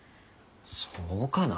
そうかなぁ？